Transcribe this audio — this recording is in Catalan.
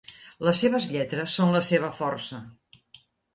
Les seves lletres són la seva força.